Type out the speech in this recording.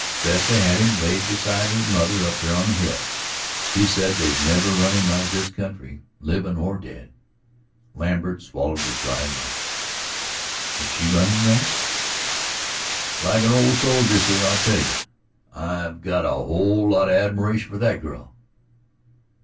Vesta had him laid beside her mother up there on the hill. He said they'd never run him out of this country, livin' or dead." Lambert swallowed a dry lump. "Is she running the ranch?" "Like an old soldier, sir. I tell you, I've got a whole lot of admiration for that girl."